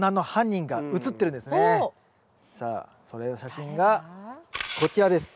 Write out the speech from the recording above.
さあそれの写真がこちらです。